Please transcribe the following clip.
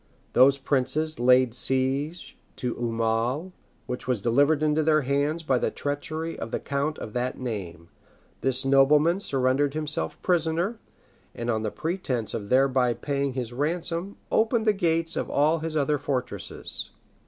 Those princes laid siege to Aumale, which was delivered into their hands by the treachery of the count of that name: this nobleman surrendered himself prisoner; and on pretence of thereby paying his ransom, opened the gates of all his other fortresses.